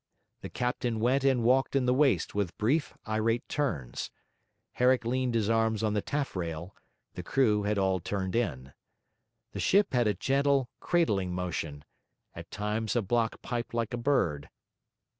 The captain went and walked in the waist with brief, irate turns; Herrick leaned his arms on the taffrail; the crew had all turned in. The ship had a gentle, cradling motion; at times a block piped like a bird.